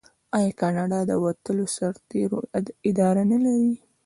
آیا کاناډا د وتلو سرتیرو اداره نلري؟